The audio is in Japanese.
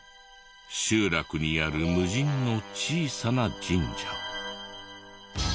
集落にある無人の小さな神社。